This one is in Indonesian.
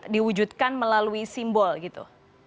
diwujudkan melalui simbol gitu